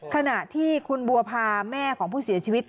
ขณะที่คุณบัวพาแม่ของผู้เสียชีวิต